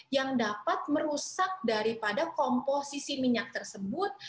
yang dapat merusak daripada komposisi minyak tersebut